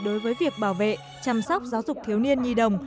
đối với việc bảo vệ chăm sóc giáo dục thiếu niên nhi đồng